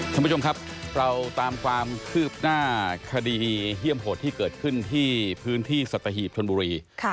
ท่านผู้ชมครับเราตามความคืบหน้าคดีเยี่ยมโหดที่เกิดขึ้นที่พื้นที่สัตหีบชนบุรี